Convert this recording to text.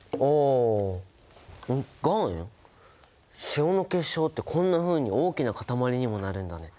塩の結晶ってこんなふうに大きなかたまりにもなるんだね。